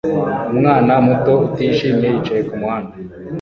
Umwana muto utishimye yicaye kumuhanda